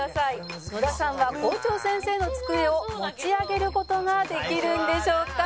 「野田さんは校長先生の机を持ち上げる事ができるんでしょうか？